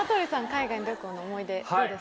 海外旅行の思い出どうですか？